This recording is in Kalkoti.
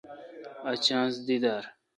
اؘ چانس دی درا۔